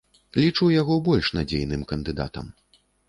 Лічу яго больш надзейным кандыдатам.